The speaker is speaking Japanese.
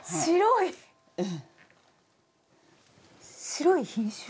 白い品種？